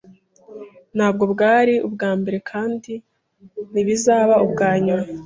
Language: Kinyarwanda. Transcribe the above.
Ntabwo bwari ubwambere kandi ntibizaba ubwa nyuma